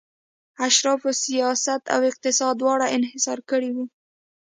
اشرافو سیاست او اقتصاد دواړه انحصار کړي وو